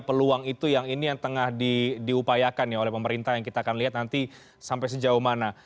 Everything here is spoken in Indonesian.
peluang itu yang ini yang tengah diupayakan oleh pemerintah yang kita akan lihat nanti sampai sejauh mana